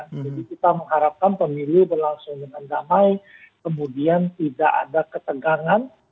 jadi kita mengharapkan pemilu berlangsung dengan damai kemudian tidak ada ketegangan